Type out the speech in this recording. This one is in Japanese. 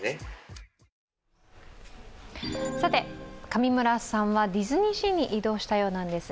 上村さんはディズニーシーに移動したようです。